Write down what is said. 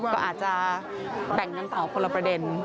ก็อาจจะแบ่งกันต่อคนละประเด็น